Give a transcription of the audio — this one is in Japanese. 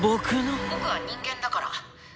「僕は人間だから」。